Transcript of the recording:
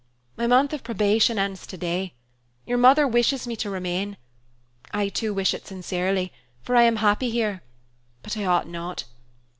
My month of probation ends today; your mother wishes me to remain; I, too, wish it sincerely, for I am happy here, but I ought not.